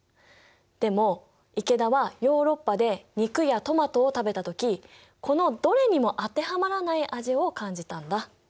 でも池田はヨーロッパで肉やトマトを食べた時このどれにも当てはまらない味を感じたんだ。